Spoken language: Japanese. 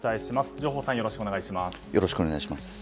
上法さん、よろしくお願いします。